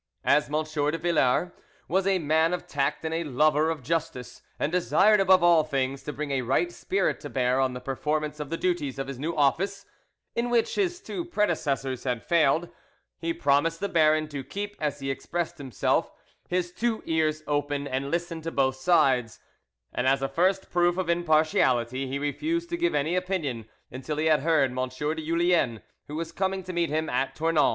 As M. de Villars was a man of tact and a lover of justice, and desired above all things to bring a right spirit to bear on the performance of the duties of his new office, in which his two predecessors had failed, he promised the baron "to keep," as he expressed himself, his "two ears open" and listen to both sides, and as a first proof of impartiality—he refused to give any opinion until he had heard M. de Julien, who was coming to meet him at Tournon.